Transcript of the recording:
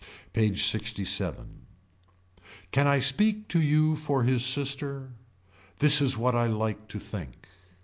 PAGE LXVII. Can I speak to you for his sister. This is what I like to think.